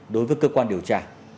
đối với cơ quan điều tra